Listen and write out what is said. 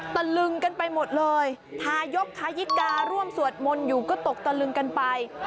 ตะลึงกันไปหมดเลยทายกทายิการ่วมสวดมนต์อยู่ก็ตกตะลึงกันไป